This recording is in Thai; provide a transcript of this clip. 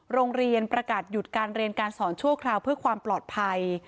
โรงเรียนประกาศหยุดการเรียนการสอนชั่วคราวเพื่อความปลอดภัย